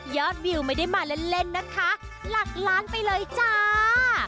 วิวไม่ได้มาเล่นนะคะหลักล้านไปเลยจ้า